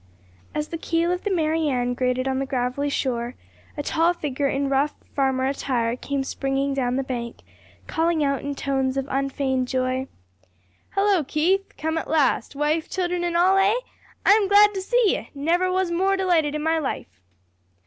As the keel of the Mary Ann grated on the gravelly shore, a tall figure in rough farmer attire came springing down the bank, calling out in tones of unfeigned joy, "Hello, Keith! Come at last wife, children, and all; eh? I'm glad to see ye! Never was more delighted in my life."